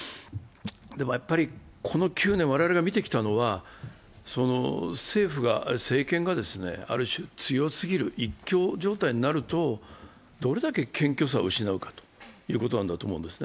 でも、この９年、我々が見てきたのは、政府、あるいは政権が強すぎる、一強状態になるとどれだけ謙虚さを失うかということだと思うんですね。